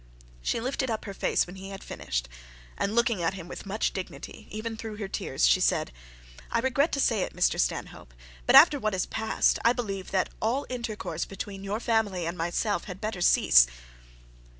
She lifted up her face when she had finished, and looking at him with much dignity, even through her tears, she said 'I regret to say it, Mr Stanhope; but after what has passed, I believe that all intercourse between your family and myself had better cease.'